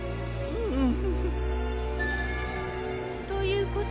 うん。